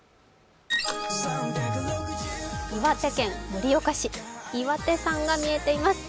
岩手県盛岡市、岩手山が見えています。